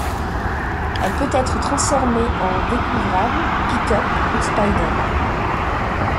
Elle peut être transformée en découvrable, pick-up ou spider.